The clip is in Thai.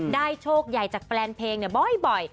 โชคใหญ่จากแฟนเพลงบ่อย